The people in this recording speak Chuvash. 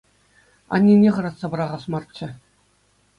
Аннене хӑратса пӑрахас марччӗ.